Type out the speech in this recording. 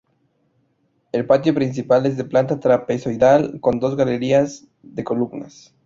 El patio principal es de planta trapezoidal con dos galerías de columnas.